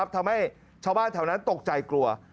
ทำให้ชาวบ้านแถวนั้นตกใจกลัว